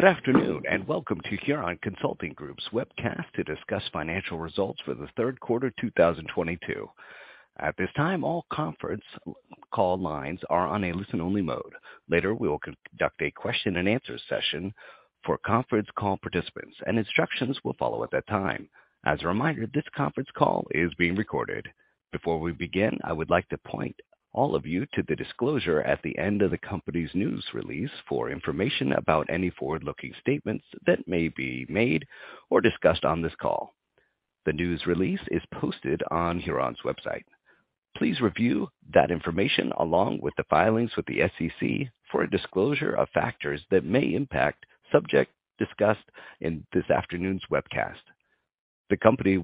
Good afternoon, and welcome to Huron Consulting Group's webcast to discuss financial results for the third quarter 2022. At this time, all conference call lines are on a listen-only mode. Later, we will conduct a question-and-answer session for conference call participants and instructions will follow at that time. As a reminder, this conference call is being recorded. Before we begin, I would like to point all of you to the disclosure at the end of the company's news release for information about any forward-looking statements that may be made or discussed on this call. The news release is posted on Huron's website. Please review that information along with the filings with the SEC for a disclosure of factors that may impact subjects discussed in this afternoon's webcast. The company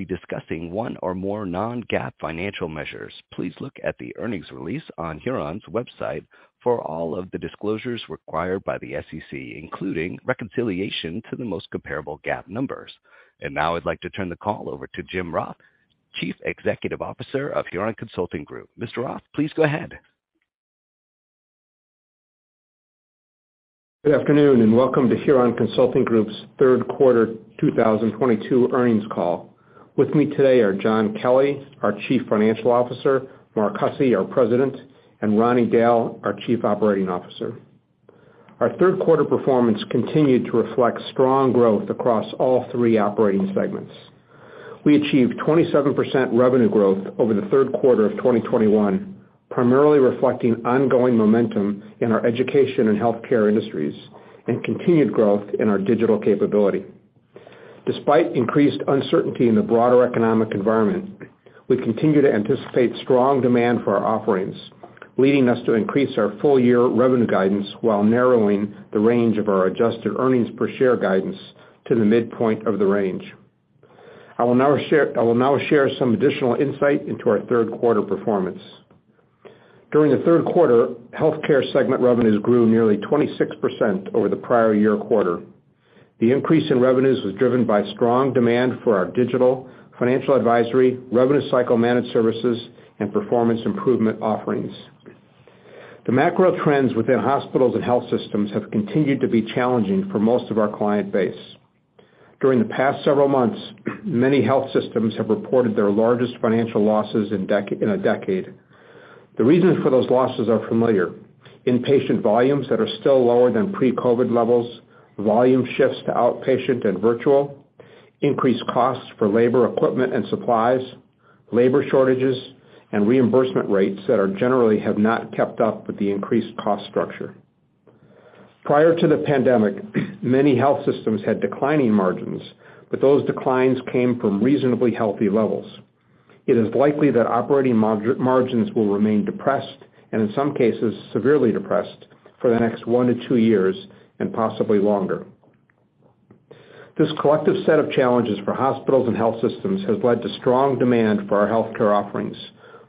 will be discussing one or more non-GAAP financial measures. Please look at the earnings release on Huron's website for all of the disclosures required by the SEC, including reconciliation to the most comparable GAAP numbers. Now I'd like to turn the call over to Jim Roth, Chief Executive Officer of Huron Consulting Group. Mr. Roth, please go ahead. Good afternoon, and welcome to Huron Consulting Group's third quarter 2022 earnings call. With me today are John Kelly, our Chief Financial Officer, Mark Hussey, our President, and Ronnie Dail, our Chief Operating Officer. Our third quarter performance continued to reflect strong growth across all three operating segments. We achieved 27% revenue growth over the third quarter of 2021, primarily reflecting ongoing momentum in our education and healthcare industries and continued growth in our digital capability. Despite increased uncertainty in the broader economic environment, we continue to anticipate strong demand for our offerings, leading us to increase our full year revenue guidance while narrowing the range of our adjusted earnings per share guidance to the midpoint of the range. I will now share some additional insight into our third quarter performance. During the third quarter, healthcare segment revenues grew nearly 26% over the prior year quarter. The increase in revenues was driven by strong demand for our digital financial advisory, revenue cycle managed services, and performance improvement offerings. The macro trends within hospitals and health systems have continued to be challenging for most of our client base. During the past several months, many health systems have reported their largest financial losses in a decade. The reasons for those losses are familiar. Inpatient volumes that are still lower than pre-COVID levels, volume shifts to outpatient and virtual, increased costs for labor, equipment, and supplies, labor shortages, and reimbursement rates that are generally have not kept up with the increased cost structure. Prior to the pandemic, many health systems had declining margins, but those declines came from reasonably healthy levels. It is likely that operating margins will remain depressed, and in some cases severely depressed, for the next one to two years, and possibly longer. This collective set of challenges for hospitals and health systems has led to strong demand for our healthcare offerings,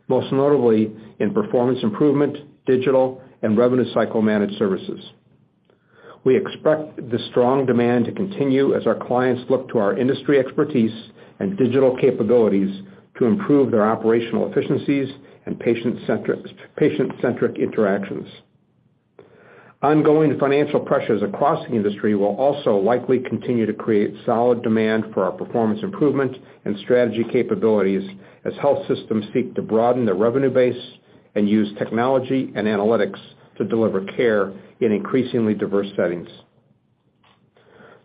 most notably in performance improvement, digital, and revenue cycle managed services. We expect the strong demand to continue as our clients look to our industry expertise and digital capabilities to improve their operational efficiencies and patient-centric interactions. Ongoing financial pressures across the industry will also likely continue to create solid demand for our performance improvement and strategy capabilities as health systems seek to broaden their revenue base and use technology and analytics to deliver care in increasingly diverse settings.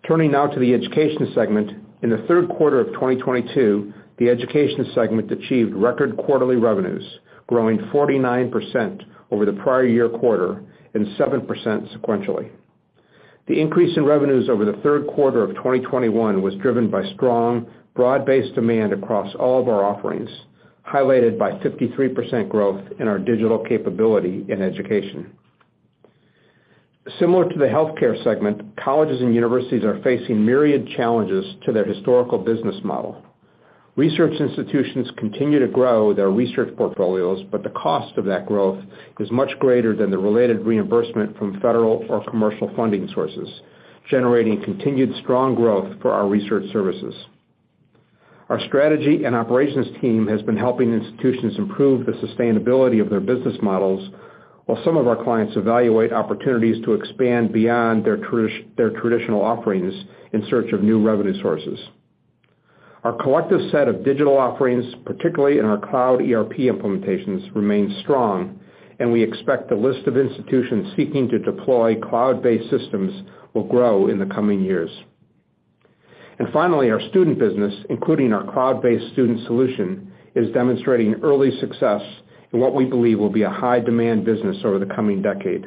Turning now to the education segment. In the third quarter of 2022, the education segment achieved record quarterly revenues, growing 49% over the prior year quarter and 7% sequentially. The increase in revenues over the third quarter of 2021 was driven by strong, broad-based demand across all of our offerings, highlighted by 53% growth in our digital capability in education. Similar to the healthcare segment, colleges and universities are facing myriad challenges to their historical business model. Research institutions continue to grow their research portfolios, but the cost of that growth is much greater than the related reimbursement from federal or commercial funding sources, generating continued strong growth for our research services. Our strategy and operations team has been helping institutions improve the sustainability of their business models, while some of our clients evaluate opportunities to expand beyond their traditional offerings in search of new revenue sources. Our collective set of digital offerings, particularly in our cloud ERP implementations, remain strong, and we expect the list of institutions seeking to deploy cloud-based systems will grow in the coming years. Finally, our student business, including our cloud-based student solution, is demonstrating early success in what we believe will be a high demand business over the coming decade.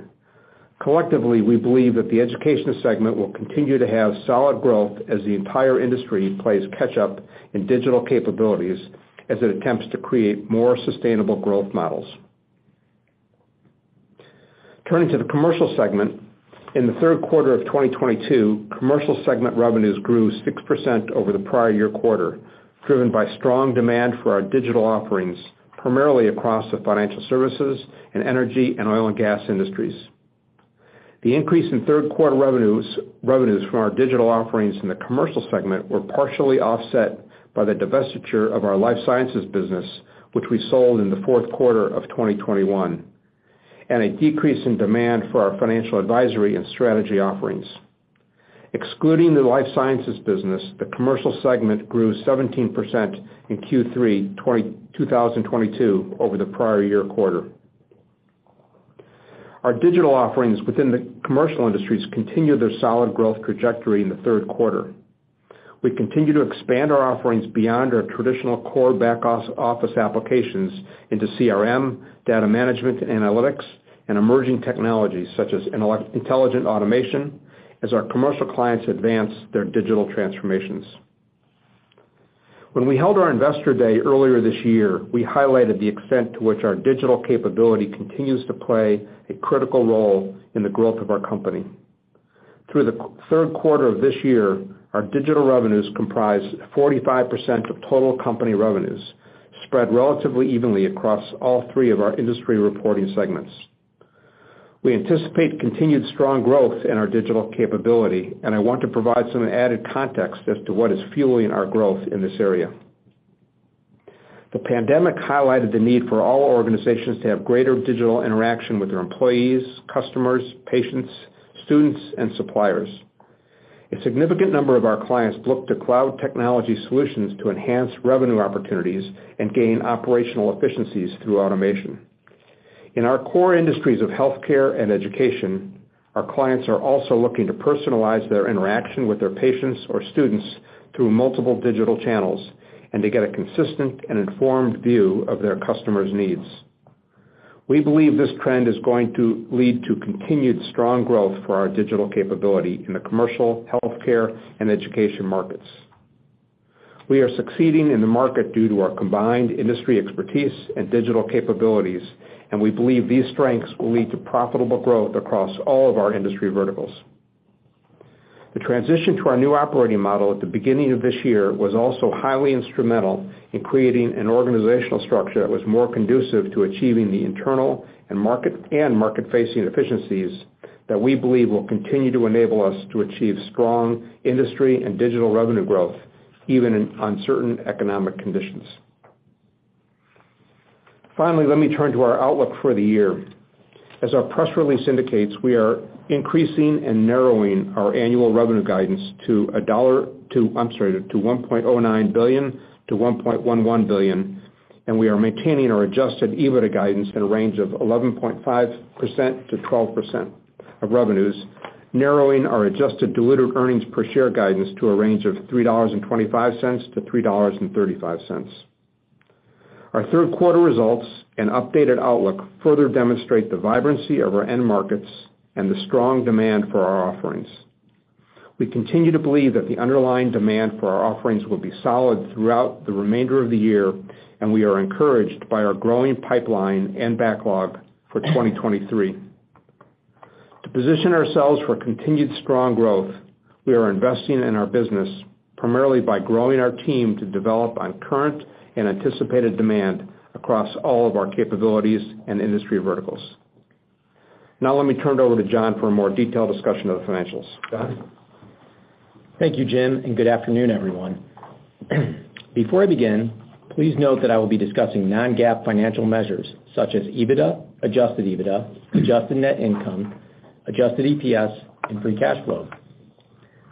Collectively, we believe that the education segment will continue to have solid growth as the entire industry plays catch up in digital capabilities as it attempts to create more sustainable growth models. Turning to the commercial segment. In the third quarter of 2022, commercial segment revenues grew 6% over the prior year quarter, driven by strong demand for our digital offerings, primarily across the financial services and energy and oil and gas industries. The increase in third quarter revenues from our digital offerings in the commercial segment were partially offset by the divestiture of our life sciences business, which we sold in the fourth quarter of 2021, and a decrease in demand for our financial advisory and strategy offerings. Excluding the life sciences business, the commercial segment grew 17% in Q3 2022 over the prior year quarter. Our digital offerings within the commercial industries continue their solid growth trajectory in the third quarter. We continue to expand our offerings beyond our traditional core back-office applications into CRM, data management, analytics, and emerging technologies such as intelligent automation as our commercial clients advance their digital transformations. When we held our Investor Day earlier this year, we highlighted the extent to which our digital capability continues to play a critical role in the growth of our company. Through the third quarter of this year, our digital revenues comprised 45% of total company revenues, spread relatively evenly across all three of our industry reporting segments. We anticipate continued strong growth in our digital capability, and I want to provide some added context as to what is fueling our growth in this area. The pandemic highlighted the need for all organizations to have greater digital interaction with their employees, customers, patients, students, and suppliers. A significant number of our clients look to cloud technology solutions to enhance revenue opportunities and gain operational efficiencies through automation. In our core industries of healthcare and education, our clients are also looking to personalize their interaction with their patients or students through multiple digital channels, and to get a consistent and informed view of their customers' needs. We believe this trend is going to lead to continued strong growth for our digital capability in the commercial, healthcare, and education markets. We are succeeding in the market due to our combined industry expertise and digital capabilities, and we believe these strengths will lead to profitable growth across all of our industry verticals. The transition to our new operating model at the beginning of this year was also highly instrumental in creating an organizational structure that was more conducive to achieving the internal and market-facing efficiencies that we believe will continue to enable us to achieve strong industry and digital revenue growth, even in uncertain economic conditions. Finally, let me turn to our outlook for the year. As our press release indicates, we are increasing and narrowing our annual revenue guidance to $1 to. I'm sorry, to $1.09 billion-$1.11 billion, and we are maintaining our adjusted EBITDA guidance in a range of 11.5%-12% of revenues, narrowing our adjusted diluted earnings per share guidance to a range of $3.25-$3.35. Our third quarter results and updated outlook further demonstrate the vibrancy of our end markets and the strong demand for our offerings. We continue to believe that the underlying demand for our offerings will be solid throughout the remainder of the year, and we are encouraged by our growing pipeline and backlog for 2023. To position ourselves for continued strong growth, we are investing in our business, primarily by growing our team to develop on current and anticipated demand across all of our capabilities and industry verticals. Now let me turn it over to John for a more detailed discussion of the financials. John? Thank you, Jim, and good afternoon, everyone. Before I begin, please note that I will be discussing non-GAAP financial measures such as EBITDA, adjusted EBITDA, adjusted net income, adjusted EPS, and free cash flow.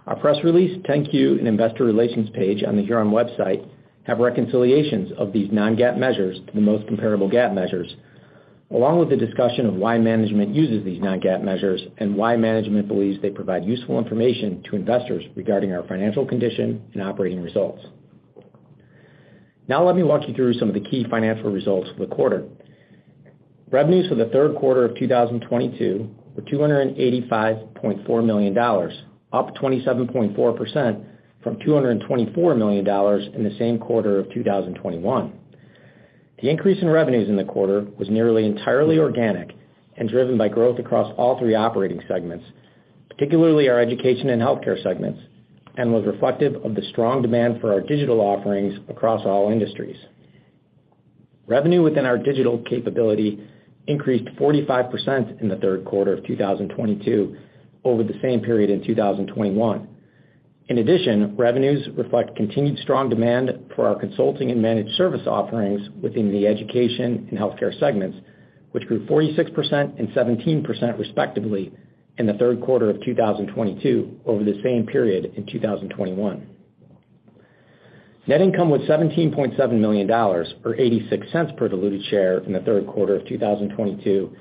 Our press release, 10-Q, and investor relations page on the Huron website have reconciliations of these non-GAAP measures to the most comparable GAAP measures, along with the discussion of why management uses these non-GAAP measures and why management believes they provide useful information to investors regarding our financial condition and operating results. Now let me walk you through some of the key financial results for the quarter. Revenues for the third quarter of 2022 were $285.4 million, up 27.4% from $224 million in the same quarter of 2021. The increase in revenues in the quarter was nearly entirely organic and driven by growth across all three operating segments, particularly our education and healthcare segments, and was reflective of the strong demand for our digital offerings across all industries. Revenue within our digital capability increased 45% in the third quarter of 2022 over the same period in 2021. In addition, revenues reflect continued strong demand for our consulting and managed service offerings within the education and healthcare segments, which grew 46% and 17% respectively in the third quarter of 2022 over the same period in 2021. Net income was $17.7 million, or $0.86 per diluted share in the third quarter of 2022,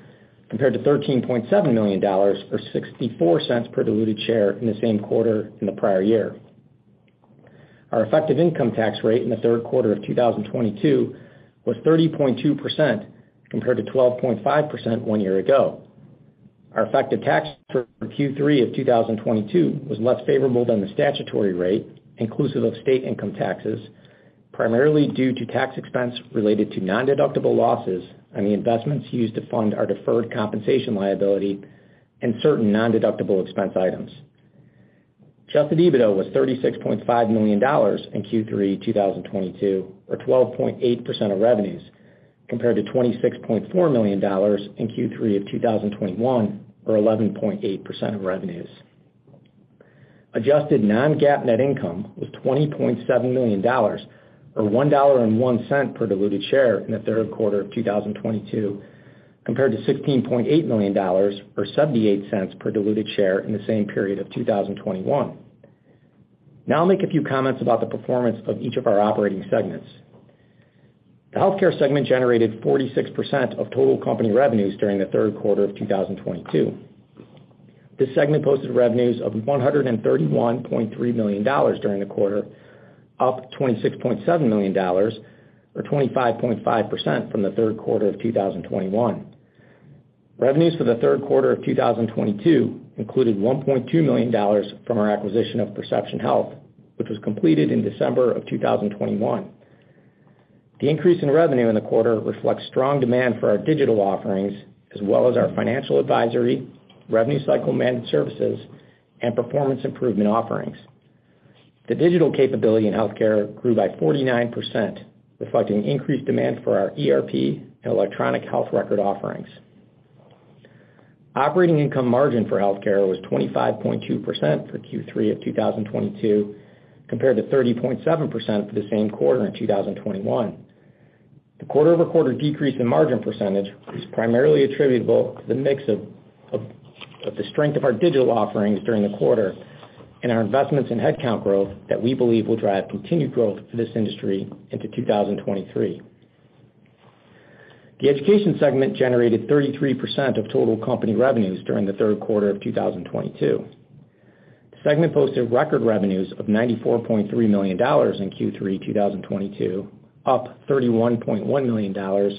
compared to $13.7 million, or $0.64 per diluted share in the same quarter in the prior year. Our effective income tax rate in the third quarter of 2022 was 30.2%, compared to 12.5% one year ago. Our effective tax rate for Q3 of 2022 was less favorable than the statutory rate, inclusive of state income taxes, primarily due to tax expense related to nondeductible losses on the investments used to fund our deferred compensation liability and certain nondeductible expense items. Adjusted EBITDA was $36.5 million in Q3 2022, or 12.8% of revenues, compared to $26.4 million in Q3 of 2021, or 11.8% of revenues. Adjusted non-GAAP net income was $20.7 million, or $1.01 per diluted share in the third quarter of 2022. Compared to $16.8 million or $0.78 per diluted share in the same period of 2021. Now I'll make a few comments about the performance of each of our operating segments. The healthcare segment generated 46% of total company revenues during the third quarter of 2022. This segment posted revenues of $131.3 million during the quarter, up $26.7 million, or 25.5% from the third quarter of 2021. Revenues for the third quarter of 2022 included $1.2 million from our acquisition of Perception Health, which was completed in December of 2021. The increase in revenue in the quarter reflects strong demand for our digital offerings as well as our financial advisory, revenue cycle managed services, and performance improvement offerings. The digital capability in healthcare grew by 49%, reflecting increased demand for our ERP and electronic health record offerings. Operating income margin for healthcare was 25.2% for Q3 of 2022, compared to 30.7% for the same quarter in 2021. The quarter-over-quarter decrease in margin percentage is primarily attributable to the mix of the strength of our digital offerings during the quarter and our investments in headcount growth that we believe will drive continued growth for this industry into 2023. The education segment generated 33% of total company revenues during the third quarter of 2022. The segment posted record revenues of $94.3 million in Q3 2022, up $31.1 million, or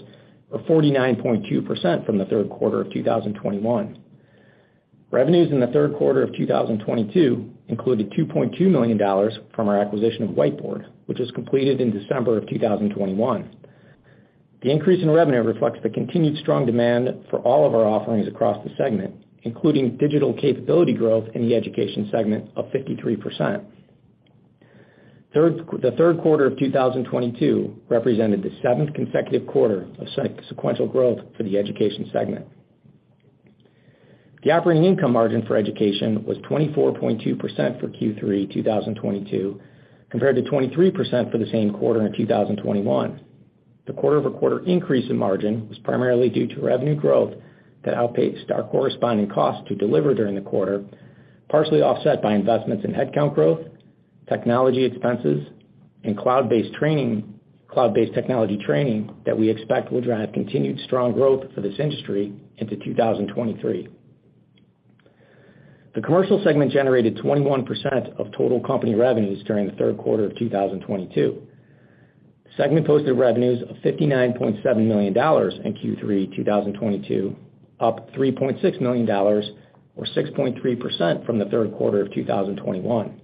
49.2% from the third quarter of 2021. Revenues in the third quarter of 2022 included $2.2 million from our acquisition of Whiteboard, which was completed in December of 2021. The increase in revenue reflects the continued strong demand for all of our offerings across the segment, including digital capability growth in the education segment of 53%. The third quarter of 2022 represented the seventh consecutive quarter of sequential growth for the education segment. The operating income margin for education was 24.2% for Q3 2022, compared to 23% for the same quarter in 2021. The quarter-over-quarter increase in margin was primarily due to revenue growth that outpaced our corresponding cost to deliver during the quarter, partially offset by investments in headcount growth, technology expenses, and cloud-based technology training that we expect will drive continued strong growth for this industry into 2023. The commercial segment generated 21% of total company revenues during the third quarter of 2022. The segment posted revenues of $59.7 million in Q3 2022, up $3.6 million or 6.3% from the third quarter of 2021.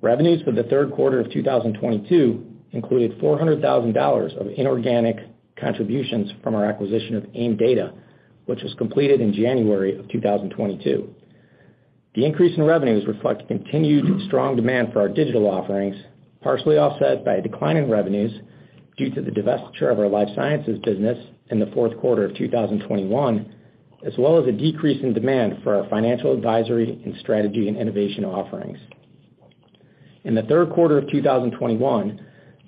Revenues for the third quarter of 2022 included $400,000 of inorganic contributions from our acquisition of AIMDATA, which was completed in January of 2022. The increase in revenues reflects continued strong demand for our digital offerings, partially offset by a decline in revenues due to the divestiture of our life sciences business in the fourth quarter of 2021, as well as a decrease in demand for our financial advisory and strategy and innovation offerings. In the third quarter of 2021,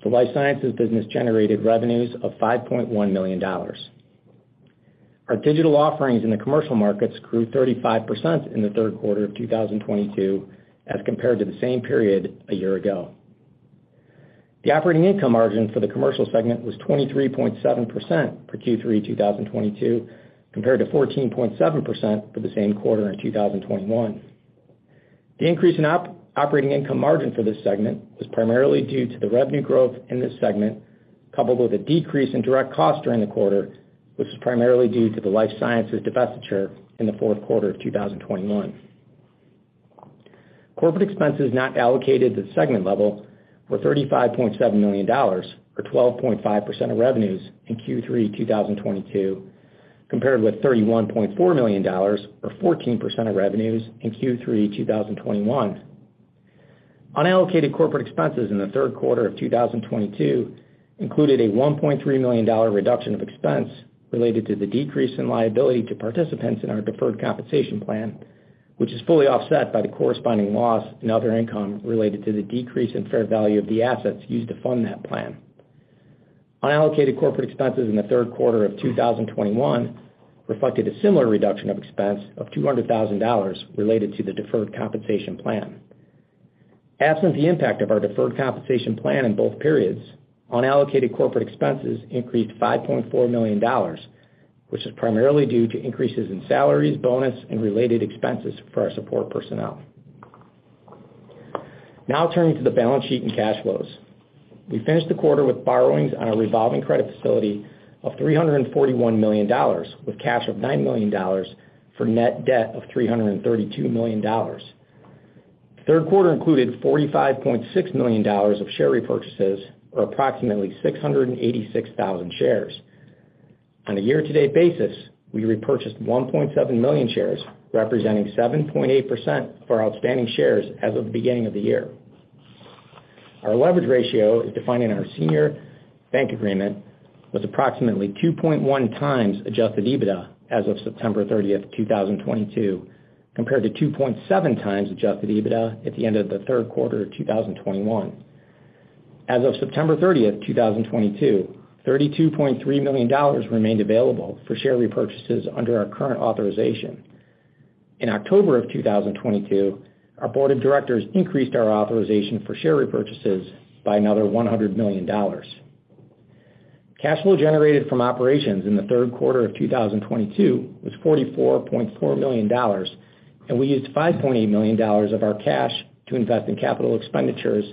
the life sciences business generated revenues of $5.1 million. Our digital offerings in the commercial markets grew 35% in the third quarter of 2022 as compared to the same period a year ago. The operating income margin for the commercial segment was 23.7% for Q3 2022, compared to 14.7% for the same quarter in 2021. The increase in operating income margin for this segment was primarily due to the revenue growth in this segment, coupled with a decrease in direct costs during the quarter, which was primarily due to the life sciences divestiture in the fourth quarter of 2021. Corporate expenses not allocated to the segment level were $35.7 million, or 12.5% of revenues in Q3 2022, compared with $31.4 million, or 14% of revenues in Q3 2021. Unallocated corporate expenses in the third quarter of 2022 included a $1.3 million reduction of expense related to the decrease in liability to participants in our deferred compensation plan, which is fully offset by the corresponding loss in other income related to the decrease in fair value of the assets used to fund that plan. Unallocated corporate expenses in the third quarter of 2021 reflected a similar reduction of expense of $200,000 related to the deferred compensation plan. Absent the impact of our deferred compensation plan in both periods, unallocated corporate expenses increased $5.4 million, which is primarily due to increases in salaries, bonus, and related expenses for our support personnel. Now turning to the balance sheet and cash flows. We finished the quarter with borrowings on our revolving credit facility of $341 million, with cash of $9 million, for net debt of $332 million. The third quarter included $45.6 million of share repurchases, or approximately 686,000 shares. On a year-to-date basis, we repurchased 1.7 million shares, representing 7.8% of our outstanding shares as of the beginning of the year. Our leverage ratio, defined in our senior bank agreement, was approximately 2.1x adjusted EBITDA as of September 30th, 2022, compared to 2.7x adjusted EBITDA at the end of the third quarter of 2021. As of September 30th, 2022, $32.3 million remained available for share repurchases under our current authorization. In October 2022, our board of directors increased our authorization for share repurchases by another $100 million. Cash flow generated from operations in the third quarter of 2022 was $44.4 million, and we used $5.8 million of our cash to invest in capital expenditures,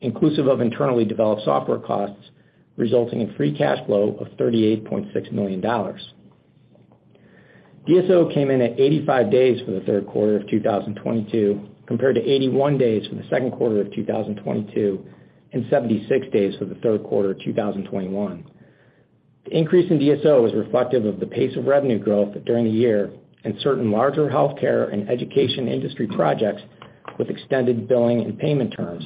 inclusive of internally developed software costs, resulting in free cash flow of $38.6 million. DSO came in at 85 days for the third quarter of 2022, compared to 81 days for the second quarter of 2022 and 76 days for the third quarter of 2021. The increase in DSO was reflective of the pace of revenue growth during the year and certain larger healthcare and education industry projects with extended billing and payment terms,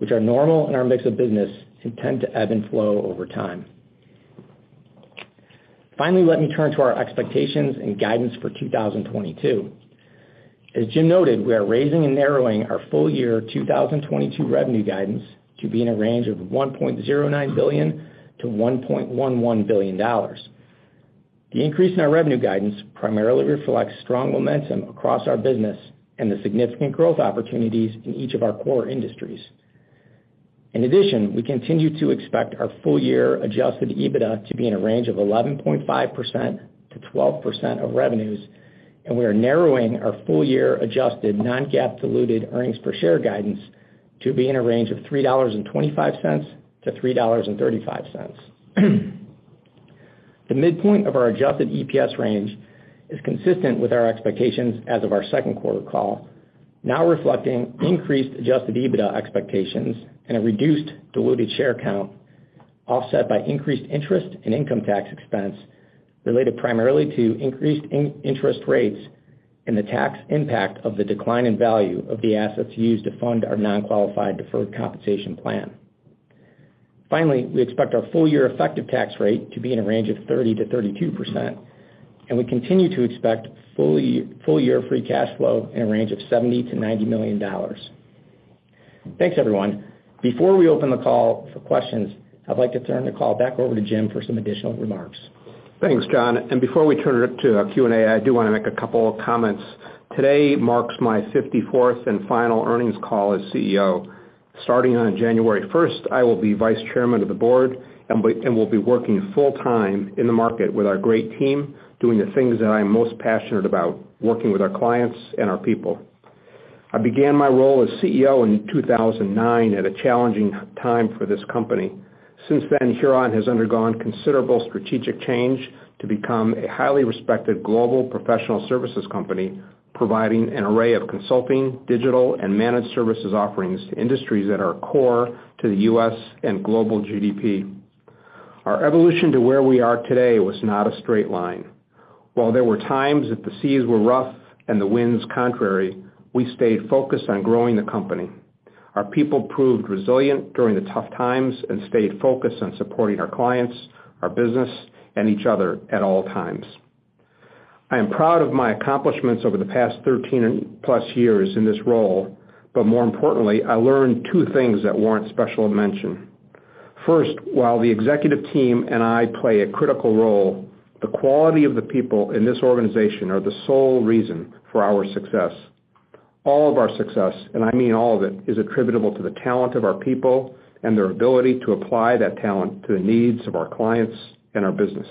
which are normal in our mix of business and tend to ebb and flow over time. Finally, let me turn to our expectations and guidance for 2022. As Jim noted, we are raising and narrowing our full year 2022 revenue guidance to be in a range of $1.09 billion-$1.11 billion. The increase in our revenue guidance primarily reflects strong momentum across our business and the significant growth opportunities in each of our core industries. In addition, we continue to expect our full year adjusted EBITDA to be in a range of 11.5%-12% of revenues, and we are narrowing our full year adjusted non-GAAP diluted earnings per share guidance to be in a range of $3.25-$3.35. The midpoint of our adjusted EPS range is consistent with our expectations as of our second quarter call, now reflecting increased adjusted EBITDA expectations and a reduced diluted share count, offset by increased interest and income tax expense related primarily to increased interest rates and the tax impact of the decline in value of the assets used to fund our nonqualified deferred compensation plan. Finally, we expect our full year effective tax rate to be in a range of 30%-32%, and we continue to expect full year free cash flow in a range of $70 million-$90 million. Thanks, everyone. Before we open the call for questions, I'd like to turn the call back over to Jim for some additional remarks. Thanks, John. Before we turn it to Q&A, I do wanna make a couple of comments. Today marks my 54th and final earnings call as CEO. Starting on January first, I will be Vice Chairman of the Board and will be working full-time in the market with our great team, doing the things that I am most passionate about, working with our clients and our people. I began my role as CEO in 2009 at a challenging time for this company. Since then, Huron has undergone considerable strategic change to become a highly respected global professional services company, providing an array of consulting, digital, and managed services offerings to industries that are core to the U.S. and global GDP. Our evolution to where we are today was not a straight line. While there were times that the seas were rough and the winds contrary, we stayed focused on growing the company. Our people proved resilient during the tough times and stayed focused on supporting our clients, our business, and each other at all times. I am proud of my accomplishments over the past 13+ years in this role, but more importantly, I learned two things that warrant special mention. First, while the executive team and I play a critical role, the quality of the people in this organization are the sole reason for our success. All of our success, and I mean all of it, is attributable to the talent of our people and their ability to apply that talent to the needs of our clients and our business.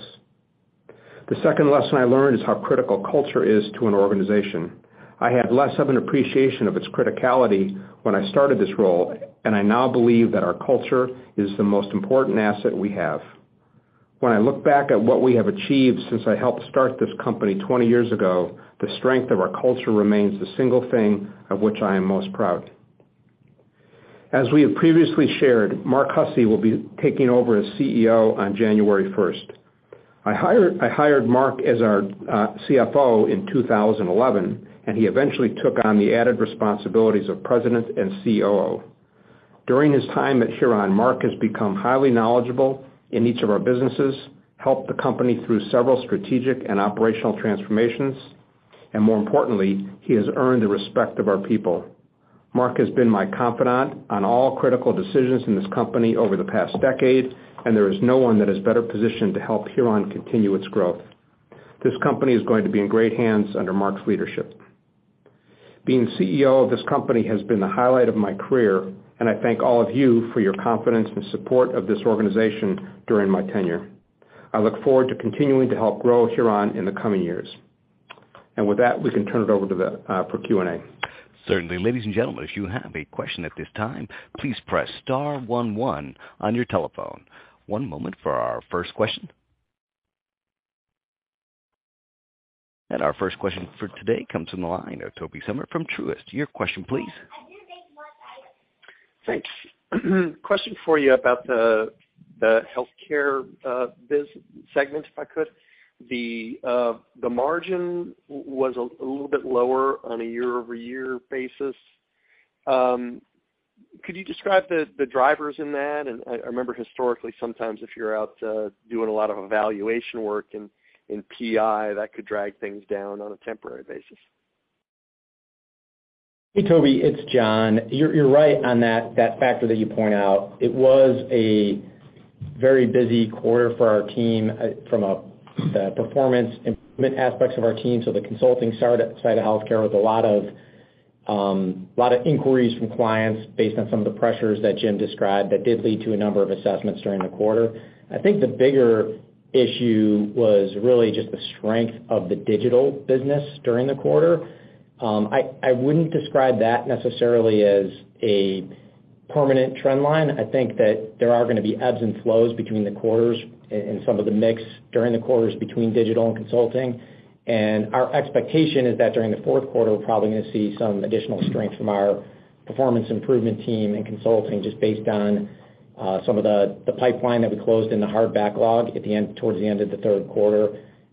The second lesson I learned is how critical culture is to an organization. I had less of an appreciation of its criticality when I started this role, and I now believe that our culture is the most important asset we have. When I look back at what we have achieved since I helped start this company 20 years ago, the strength of our culture remains the single thing of which I am most proud. As we have previously shared, Mark Hussey will be taking over as CEO on January 1st. I hired Mark as our CFO in 2011, and he eventually took on the added responsibilities of President and COO. During his time at Huron, Mark has become highly knowledgeable in each of our businesses, helped the company through several strategic and operational transformations, and more importantly, he has earned the respect of our people. Mark has been my confidant on all critical decisions in this company over the past decade, and there is no one that is better positioned to help Huron continue its growth. This company is going to be in great hands under Mark's leadership. Being CEO of this company has been the highlight of my career, and I thank all of you for your confidence and support of this organization during my tenure. I look forward to continuing to help grow Huron in the coming years. With that, we can turn it over to the floor for Q&A. Certainly. Ladies and gentlemen, if you have a question at this time, please press star one one on your telephone. One moment for our first question. Our first question for today comes from the line of Tobey Sommer from Truist. Your question, please. Thanks. Question for you about the healthcare biz segment, if I could. The margin was a little bit lower on a year-over-year basis. Could you describe the drivers in that? I remember historically, sometimes if you're out doing a lot of evaluation work in PI, that could drag things down on a temporary basis. Hey, Tobey, it's John. You're right on that factor that you point out. It was a very busy quarter for our team from the performance improvement aspects of our team. The consulting side of healthcare was a lot of inquiries from clients based on some of the pressures that Jim described that did lead to a number of assessments during the quarter. I think the bigger issue was really just the strength of the digital business during the quarter. I wouldn't describe that necessarily as a permanent trend line. I think that there are gonna be ebbs and flows between the quarters in some of the mix during the quarters between digital and consulting. Our expectation is that during the fourth quarter, we're probably gonna see some additional strength from our performance improvement team and consulting just based on some of the pipeline that we closed in the hard backlog towards the end of the third quarter,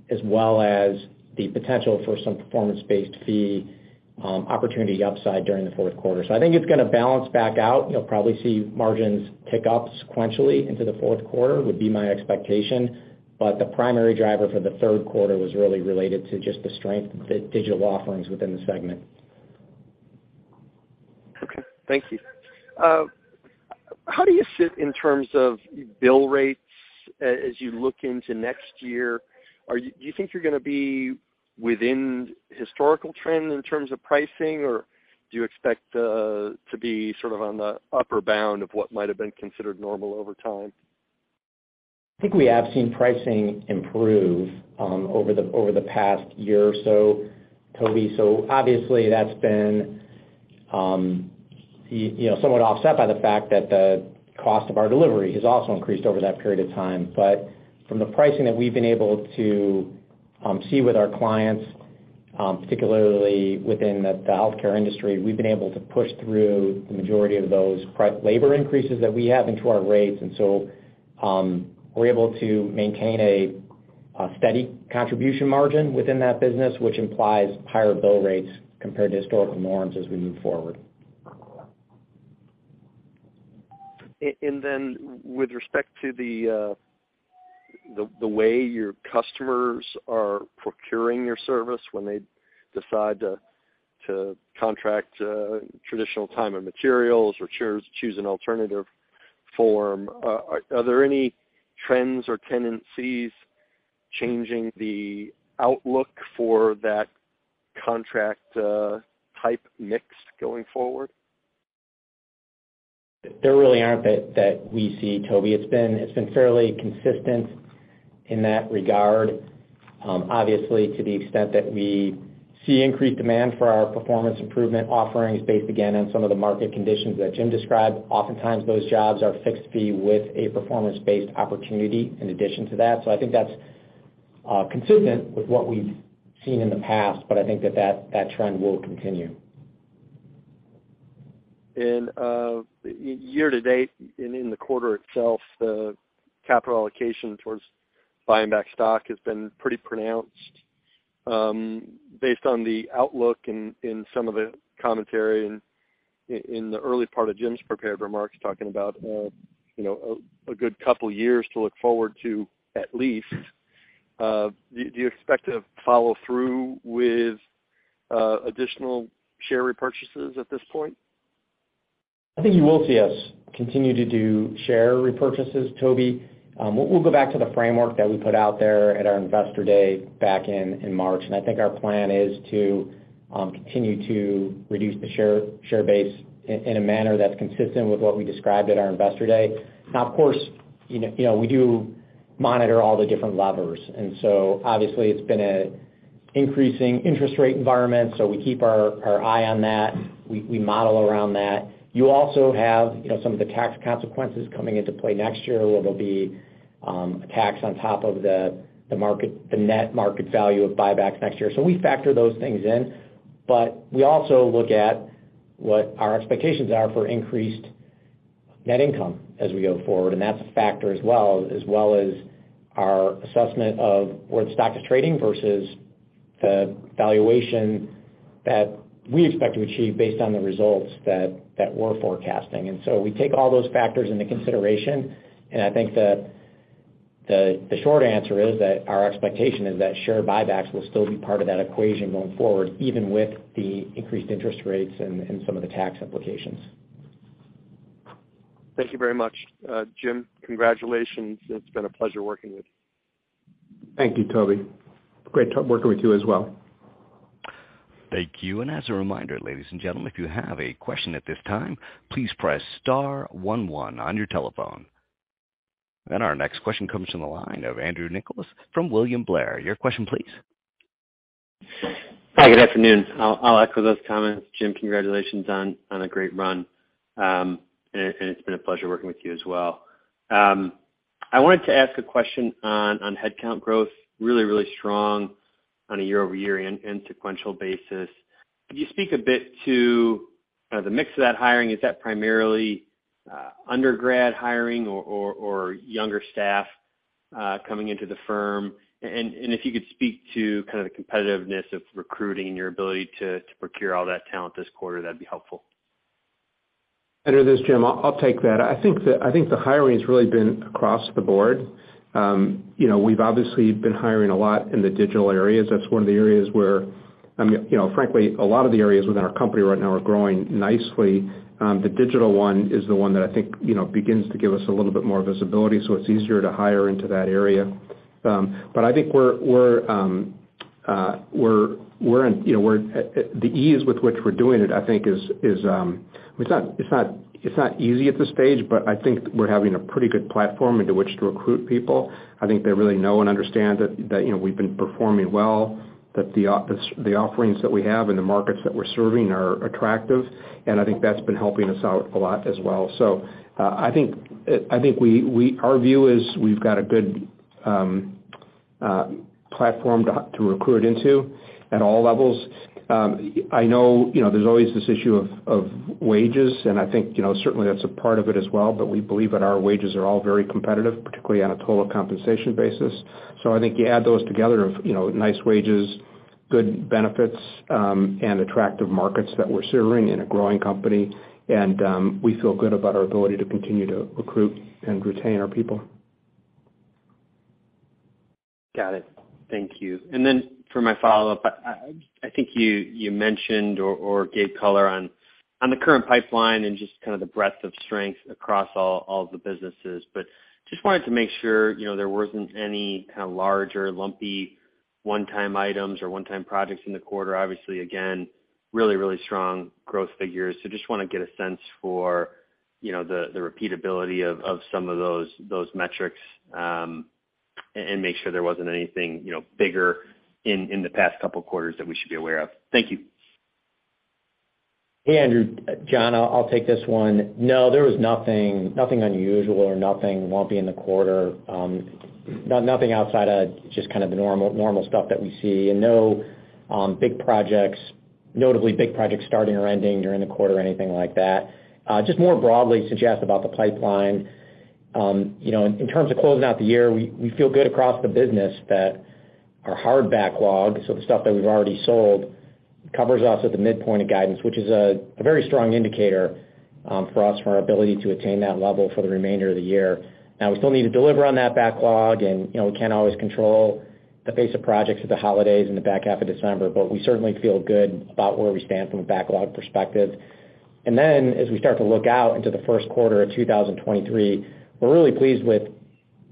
as well as the potential for some performance-based fee opportunity upside during the fourth quarter. I think it's gonna balance back out. You'll probably see margins tick up sequentially into the fourth quarter, would be my expectation. The primary driver for the third quarter was really related to just the strength of the digital offerings within the segment. Okay. Thank you. How do you sit in terms of bill rates as you look into next year? Do you think you're gonna be within historical trend in terms of pricing, or do you expect to be sort of on the upper bound of what might have been considered normal over time? I think we have seen pricing improve over the past year or so, Tobey. Obviously, that's been you know somewhat offset by the fact that the cost of our delivery has also increased over that period of time. From the pricing that we've been able to see with our clients, particularly within the healthcare industry, we've been able to push through the majority of those labor increases that we have into our rates. We're able to maintain a steady contribution margin within that business, which implies higher bill rates compared to historical norms as we move forward. With respect to the way your customers are procuring your service when they decide to contract traditional time and materials or choose an alternative form, are there any trends or tendencies changing the outlook for that contract type mix going forward? There really aren't that we see, Tobey. It's been fairly consistent in that regard. Obviously, to the extent that we see increased demand for our performance improvement offerings based, again, on some of the market conditions that Jim described, oftentimes those jobs are fixed fee with a performance-based opportunity in addition to that. I think that's consistent with what we've seen in the past, but I think that trend will continue. Year to date and in the quarter itself, the capital allocation towards buying back stock has been pretty pronounced. Based on the outlook in some of the commentary in the early part of Jim's prepared remarks, talking about, you know, a good couple of years to look forward to, at least, do you expect to follow through with additional share repurchases at this point? I think you will see us continue to do share repurchases, Tobey. We'll go back to the framework that we put out there at our investor day back in March. I think our plan is to continue to reduce the share base in a manner that's consistent with what we described at our Investor Day. Now, of course, you know, we do monitor all the different levers. Obviously it's been an increasing interest rate environment, so we keep our eye on that. We model around that. You also have, you know, some of the tax consequences coming into play next year, where there'll be a tax on top of the net market value of buybacks next year. We factor those things in, but we also look at what our expectations are for increased net income as we go forward, and that's a factor as well as our assessment of where the stock is trading versus the valuation that we expect to achieve based on the results that we're forecasting. We take all those factors into consideration. I think the short answer is that our expectation is that share buybacks will still be part of that equation going forward, even with the increased interest rates and some of the tax implications. Thank you very much. Jim, congratulations. It's been a pleasure working with you. Thank you, Tobey. Great working with you as well. Thank you. As a reminder, ladies and gentlemen, if you have a question at this time, please press star one one on your telephone. Our next question comes from the line of Andrew Nicholas from William Blair. Your question, please. Hi, good afternoon. I'll echo those comments. Jim, congratulations on a great run. It's been a pleasure working with you as well. I wanted to ask a question on headcount growth, really strong on a year-over-year and sequential basis. Could you speak a bit to the mix of that hiring? Is that primarily undergrad hiring or younger staff coming into the firm? If you could speak to kind of the competitiveness of recruiting and your ability to procure all that talent this quarter, that'd be helpful. Andrew Nicholas, this is Jim Roth, I'll take that. I think the hiring has really been across the board. You know, we've obviously been hiring a lot in the digital areas. That's one of the areas where, you know, frankly, a lot of the areas within our company right now are growing nicely. The digital one is the one that I think, you know, begins to give us a little bit more visibility, so it's easier to hire into that area. I think we're in, you know, we're the ease with which we're doing it, I think is, it's not easy at this stage, but I think we're having a pretty good platform into which to recruit people. I think they really know and understand that, you know, we've been performing well, that the offerings that we have and the markets that we're serving are attractive, and I think that's been helping us out a lot as well. I think our view is we've got a good platform to recruit into at all levels. I know, you know, there's always this issue of wages, and I think, you know, certainly that's a part of it as well. We believe that our wages are all very competitive, particularly on a total compensation basis. I think you add those together, you know, nice wages, good benefits, and attractive markets that we're serving in a growing company, and we feel good about our ability to continue to recruit and retain our people. Got it. Thank you. Then for my follow-up, I think you mentioned or gave color on the current pipeline and just kind of the breadth of strength across all of the businesses. Just wanted to make sure, you know, there wasn't any kind of larger, lumpy, one-time items or one-time projects in the quarter. Obviously, again, really strong growth figures. Just wanna get a sense for, you know, the repeatability of some of those metrics and make sure there wasn't anything, you know, bigger in the past couple quarters that we should be aware of. Thank you. Hey, Andrew. John, I'll take this one. No, there was nothing unusual or nothing lumpy in the quarter. Nothing outside of just kind of the normal stuff that we see, and no big projects. Notably big projects starting or ending during the quarter or anything like that. Just more broadly to Jim about the pipeline, you know, in terms of closing out the year, we feel good across the business that our hard backlog, so the stuff that we've already sold, covers us at the midpoint of guidance, which is a very strong indicator for us for our ability to attain that level for the remainder of the year. Now, we still need to deliver on that backlog and, you know, we can't always control the pace of projects at the holidays in the back half of December, but we certainly feel good about where we stand from a backlog perspective. Then as we start to look out into the first quarter of 2023, we're really pleased with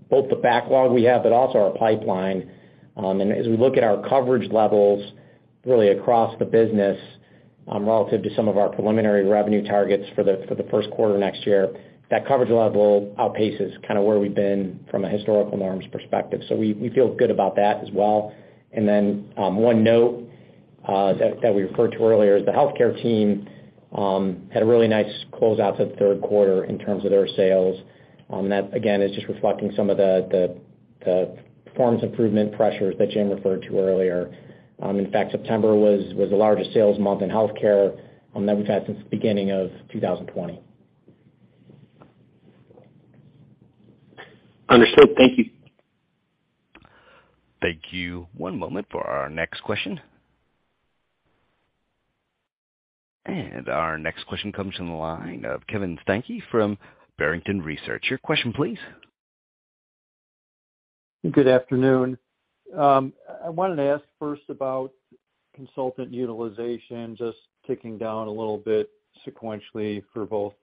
both the backlog we have but also our pipeline. And as we look at our coverage levels really across the business, relative to some of our preliminary revenue targets for the first quarter next year, that coverage level outpaces kind of where we've been from a historical norms perspective. We feel good about that as well. One note that we referred to earlier is the healthcare team had a really nice close out to the third quarter in terms of their sales. That again is just reflecting some of the performance improvement pressures that Jim referred to earlier. In fact, September was the largest sales month in healthcare that we've had since the beginning of 2020. Understood. Thank you. Thank you. One moment for our next question. Our next question comes from the line of Kevin Steinke from Barrington Research. Your question please. Good afternoon. I wanted to ask first about consultant utilization just ticking down a little bit sequentially for both,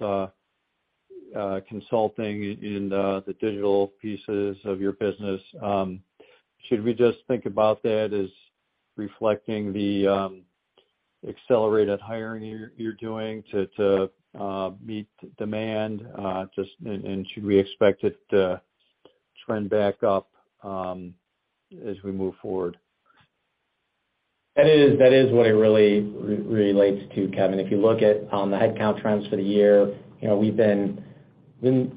consulting in the digital pieces of your business. Should we just think about that as reflecting the accelerated hiring you're doing to meet demand? Just and should we expect it to trend back up as we move forward? That is what it really relates to, Kevin. If you look at the headcount trends for the year, you know, we've been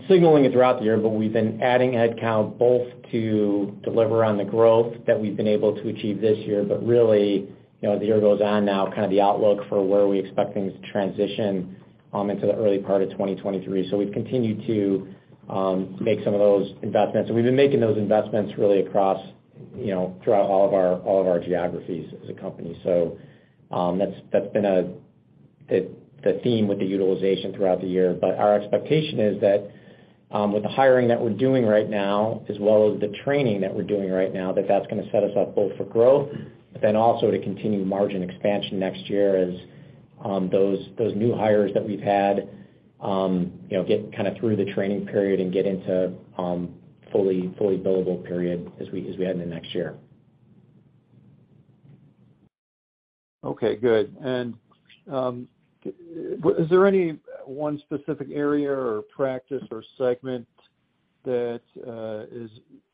signaling it throughout the year, but we've been adding headcount both to deliver on the growth that we've been able to achieve this year. Really, you know, as the year goes on now, kind of the outlook for where we expect things to transition into the early part of 2023. We've continued to make some of those investments. We've been making those investments really across, you know, throughout all of our geographies as a company. That's the theme with the utilization throughout the year. Our expectation is that, with the hiring that we're doing right now, as well as the training that we're doing right now, that that's gonna set us up both for growth, but then also to continue margin expansion next year as, those new hires that we've had, you know, get kind of through the training period and get into, fully billable period as we head into next year. Okay, good. Is there any one specific area or practice or segment that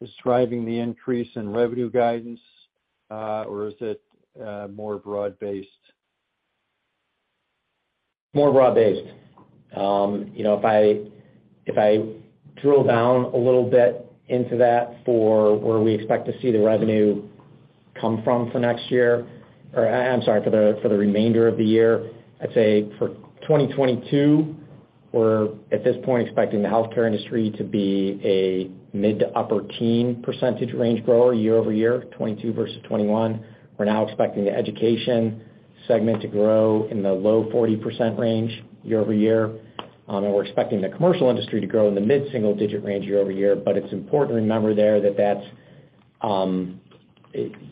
is driving the increase in revenue guidance? Is it more broad-based? More broad-based. You know, if I drill down a little bit into that for where we expect to see the revenue come from for the remainder of the year. I'd say for 2022, we're at this point expecting the healthcare industry to be a mid- to upper-teens percent range grower year-over-year, 2022 versus 2021. We're now expecting the education segment to grow in the low 40% range year-over-year. We're expecting the commercial industry to grow in the mid-single-digit range year-over-year. It's important to remember there that that's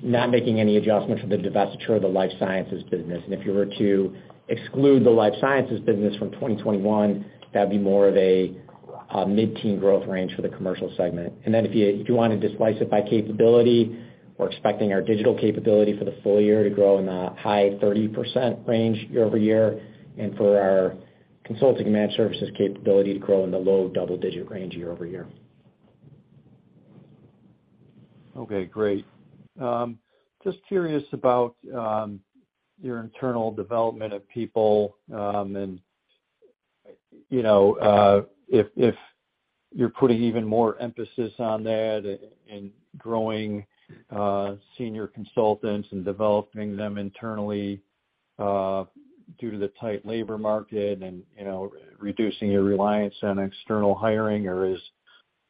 not making any adjustments for the divestiture of the life sciences business. If you were to exclude the life sciences business from 2021, that'd be more of a mid-teens percent growth range for the commercial segment. If you wanna just slice it by capability, we're expecting our digital capability for the full year to grow in the high 30% range year-over-year, and for our consulting managed services capability to grow in the low double-digit range year-over-year. Okay, great. Just curious about your internal development of people, and you know, if you're putting even more emphasis on that and growing senior consultants and developing them internally due to the tight labor market and you know, reducing your reliance on external hiring, or is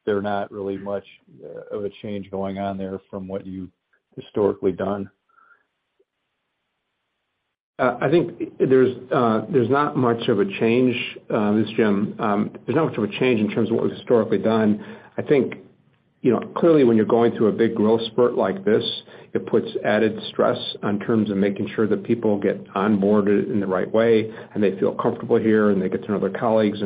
there not really much of a change going on there from what you've historically done? I think there's not much of a change, this is Jim. There's not much of a change in terms of what we've historically done. I think, you know, clearly when you're going through a big growth spurt like this, it puts added stress in terms of making sure that people get onboarded in the right way, and they feel comfortable here, and they get to know their colleagues.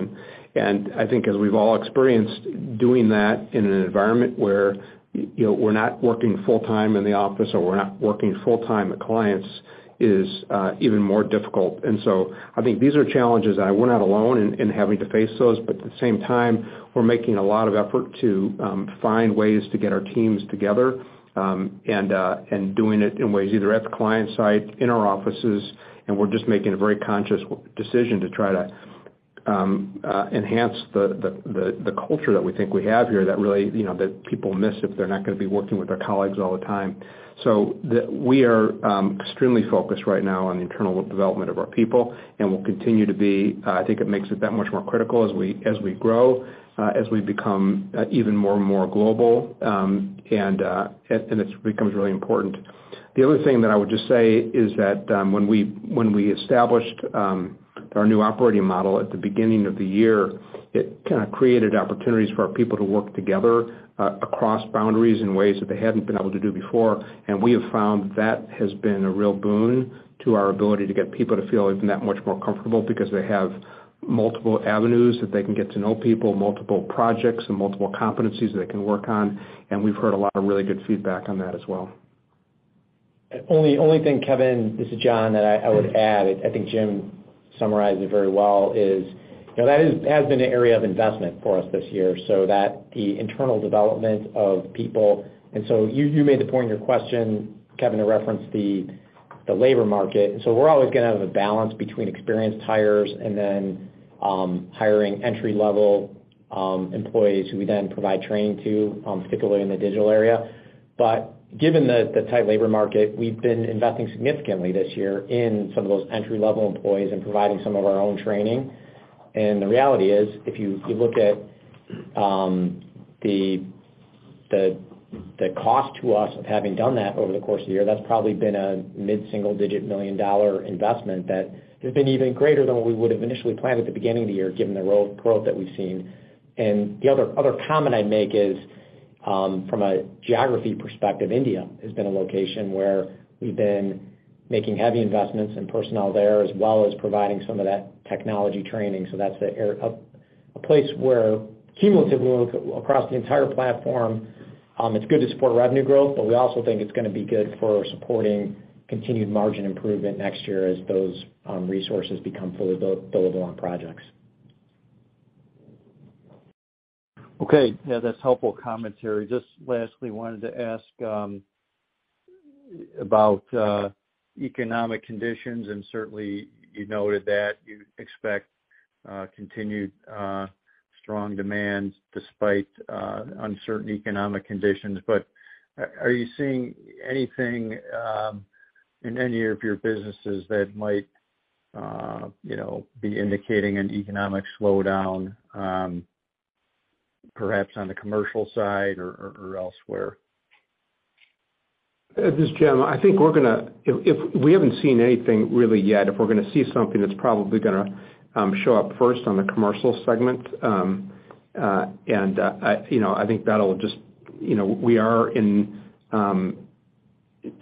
I think as we've all experienced, doing that in an environment where, you know, we're not working full-time in the office or we're not working full-time with clients is even more difficult. I think these are challenges. We're not alone in having to face those. At the same time, we're making a lot of effort to find ways to get our teams together, and doing it in ways either at the client site, in our offices, and we're just making a very conscious decision to try to enhance the culture that we think we have here that really, you know, that people miss if they're not gonna be working with their colleagues all the time. We are extremely focused right now on the internal development of our people and will continue to be. I think it makes it that much more critical as we grow, as we become even more and more global, and it becomes really important. The other thing that I would just say is that, when we established our new operating model at the beginning of the year, it kinda created opportunities for our people to work together across boundaries in ways that they hadn't been able to do before. We have found that has been a real boon to our ability to get people to feel even that much more comfortable because they have multiple avenues that they can get to know people, multiple projects and multiple competencies they can work on, and we've heard a lot of really good feedback on that as well. Only thing, Kevin, this is John, that I would add, I think Jim summarized it very well, is, you know, that has been an area of investment for us this year, so that the internal development of people. You made the point in your question, Kevin, to reference the labor market. We're always gonna have a balance between experienced hires and then hiring entry-level employees who we then provide training to, particularly in the digital area. But given the tight labor market, we've been investing significantly this year in some of those entry-level employees and providing some of our own training. The reality is, if you look at the cost to us of having done that over the course of the year, that's probably been a mid-single digit million-dollar investment that has been even greater than what we would've initially planned at the beginning of the year, given the growth that we've seen. The other comment I'd make is, from a geography perspective, India has been a location where we've been making heavy investments in personnel there, as well as providing some of that technology training. That's a place where cumulatively across the entire platform, it's good to support revenue growth, but we also think it's gonna be good for supporting continued margin improvement next year as those resources become fully buildable on projects. Okay. Yeah, that's helpful commentary. Just lastly wanted to ask about economic conditions, and certainly you noted that you expect continued strong demand despite uncertain economic conditions. Are you seeing anything in any of your businesses that might you know be indicating an economic slowdown perhaps on the commercial side or elsewhere? This is Jim. I think we're gonna. If we haven't seen anything really yet, if we're gonna see something, it's probably gonna show up first on the commercial segment. You know, I think that'll just. You know, we are in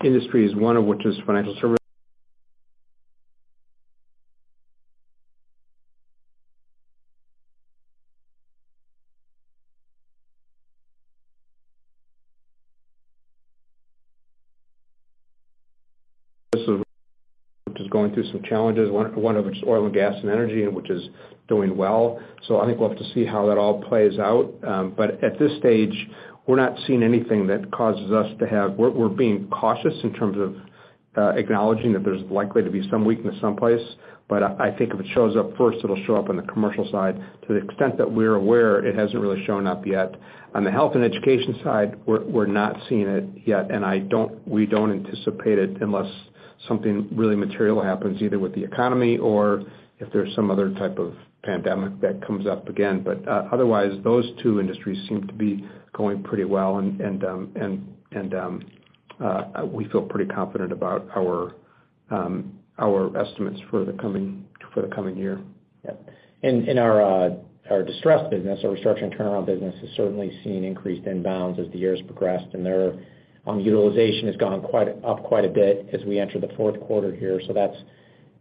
industries, one of which is financial services which is going through some challenges, one of which is oil and gas and energy, which is doing well. I think we'll have to see how that all plays out.At this stage, we're not seeing anything that causes us to have. We're being cautious in terms of acknowledging that there's likely to be some weakness someplace, but I think if it shows up first, it'll show up on the commercial side. To the extent that we're aware, it hasn't really shown up yet. On the health and education side, we're not seeing it yet, and we don't anticipate it unless something really material happens, either with the economy or if there's some other type of pandemic that comes up again. Otherwise, those two industries seem to be going pretty well, and we feel pretty confident about our estimates for the coming year. Yeah. In our distressed business, our restructuring and turnaround business has certainly seen increased inbounds as the years progressed, and their utilization has gone up quite a bit as we enter the fourth quarter here. That's,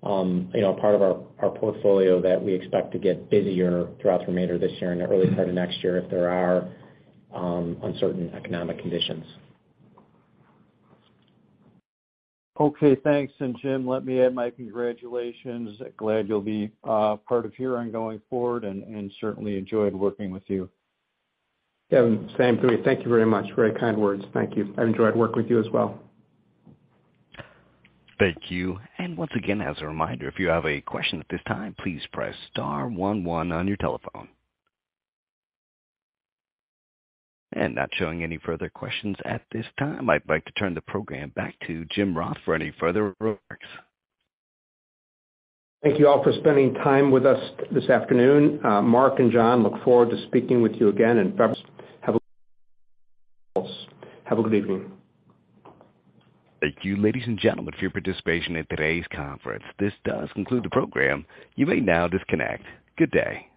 you know, part of our portfolio that we expect to get busier throughout the remainder of this year and the early part of next year if there are uncertain economic conditions. Okay, thanks. Jim, let me add my congratulations. Glad you'll be part of Huron going forward and certainly enjoyed working with you. Kevin, same to you. Thank you very much. Very kind words. Thank you. I enjoyed working with you as well. Thank you. Once again, as a reminder, if you have a question at this time, please press star one one on your telephone. Not showing any further questions at this time. I'd like to turn the program back to Jim Roth for any further remarks. Thank you all for spending time with us this afternoon. Mark and John, look forward to speaking with you again in February. Have a good evening. Thank you, ladies and gentlemen, for your participation in today's conference. This does conclude the program. You may now disconnect. Good day.